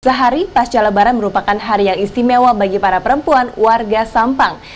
sehari pasca lebaran merupakan hari yang istimewa bagi para perempuan warga sampang